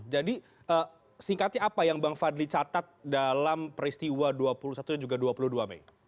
jadi singkatnya apa yang bang fadli catat dalam peristiwa dua puluh satu dan juga dua puluh dua mei